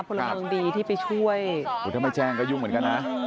พลเมืองดีที่ไปช่วยถ้าไม่แจ้งก็ยุ่งเหมือนกันนะ